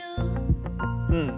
うん。